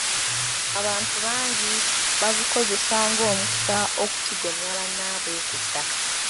Abantu bangi baagukozesa ng'omukisa okutigomya bannaabwe ku ttaka.